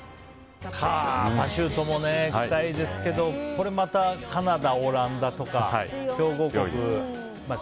パシュートも期待ですけどこれまた、カナダ、オランダとか強豪国。